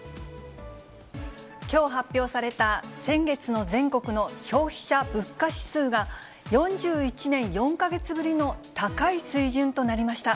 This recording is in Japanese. きょう発表された先月の全国の消費者物価指数が、４１年４か月ぶりの高い水準となりました。